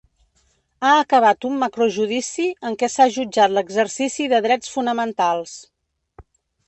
Ha acabat un macrojudici en què s’ha jutjat l’exercici de drets fonamentals.